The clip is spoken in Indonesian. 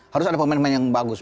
harus ada pemain pemain yang bagus